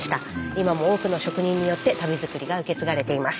今も多くの職人によって足袋作りが受け継がれています。